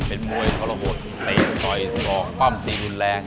เป็นมวยทรวงบทเตะต่อยซอกความตีหนึ่งแรง